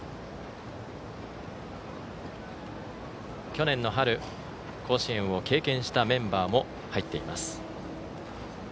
去年の春甲子園を経験したメンバーも入っています。